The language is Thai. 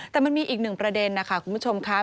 แต่มันมีอีกหนึ่งประเด็นนะคะคุณผู้ชมค่ะ